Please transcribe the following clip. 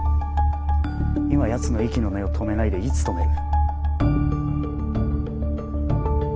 今やつの息の根を止めないでいつ止める？